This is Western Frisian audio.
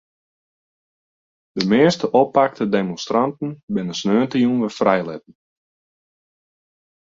De measte oppakte demonstranten binne sneontejûn wer frijlitten.